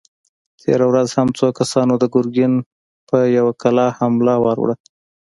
تېره ورځ هم څو کسانو د ګرګين پر يوه کلا حمله ور وړه!